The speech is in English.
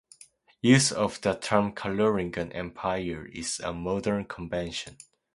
Use of the term "Carolingian Empire" is a modern convention.